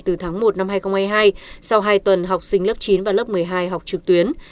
từ tháng một năm hai nghìn hai mươi hai sau hai tuần học sinh lớp chín và lớp một mươi hai học trực tuyến